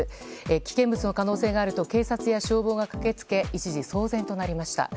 危険物の可能性があると警察や消防が駆け付け一時騒然となりました。